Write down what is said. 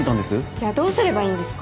じゃあどうすればいいんですか？